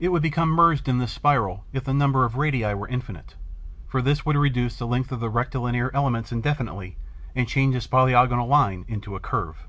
It would become merged in this spiral if the number of radii were infinite, for this would reduce the length of the rectilinear elements indefinitely and change this polygonal line into a curve.